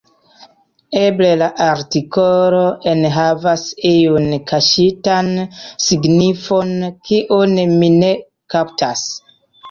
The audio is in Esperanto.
Eble la artikolo enhavas iun kaŝitan signifon, kiun mi ne kaptas.